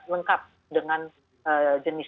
lengkap dengan jenis